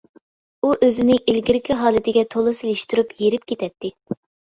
ئۇ ئۆزىنى ئىلگىرىكى ھالىتىگە تولا سېلىشتۇرۇپ ھېرىپ كېتەتتى.